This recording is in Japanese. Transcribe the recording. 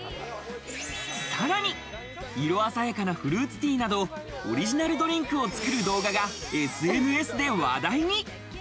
さらに、色鮮やかなフルーツティーなど、オリジナルドリンクを作る動画がＳＮＳで話題に。